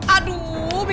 aduu berapa ini